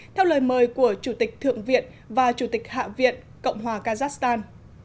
theo lời mời của chủ tịch thượng viện và chủ tịch hạ viện cộng hòa kazakhstan